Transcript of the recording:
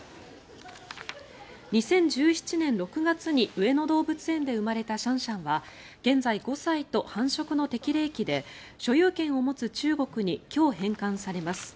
２０１７年６月に上野動物園で生まれたシャンシャンは現在５歳と繁殖の適齢期で所有権を持つ中国に今日、返還されます。